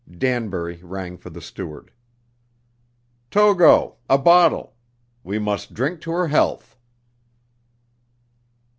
Danbury rang for the steward. "Togo a bottle. We must drink to her health."